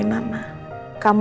kita masuk yuk